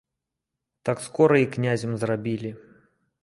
Так скора і князем зрабілі.